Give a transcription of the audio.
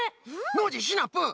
ノージーシナプー！